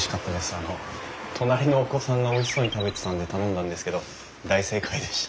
あの隣のお子さんがおいしそうに食べてたので頼んだんですけど大正解でした。